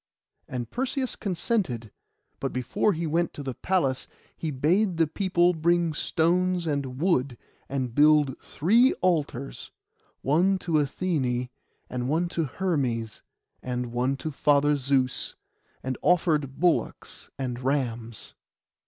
And Perseus consented; but before he went to the palace he bade the people bring stones and wood, and built three altars, one to Athené, and one to Hermes, and one to Father Zeus, and offered bullocks and rams.